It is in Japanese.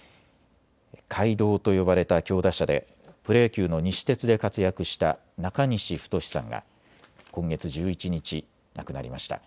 怪童と呼ばれた強打者でプロ野球の西鉄で活躍した中西太さんが今月１１日、亡くなりました。